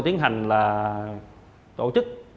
tiến hành là tổ chức